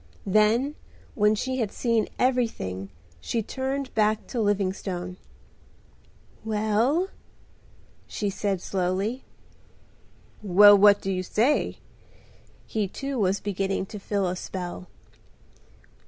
Then when she had seen everything she turned back to Livingstone. "Well!" she said slowly. "Well, what do you say?" He too was beginning to feel a spell.